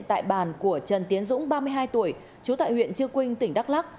tại bàn của trần tiến dũng ba mươi hai tuổi trú tại huyện chư quynh tỉnh đắk lắc